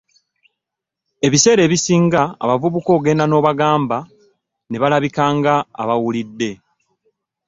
Ebiseera ebisinga abavubuka ogenda n'obagamba ne balabika nga abawulidde